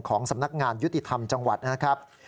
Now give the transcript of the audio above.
สำนักงานยุติธรรมจังหวัดนะครับ